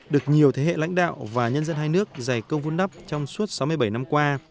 được nhiều thế hệ lãnh đạo và nhân dân hai nước giải công vun đắp trong suốt sáu mươi bảy năm qua